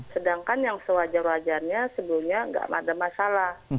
sedangkan yang sewajar wajarnya sebelumnya nggak ada masalah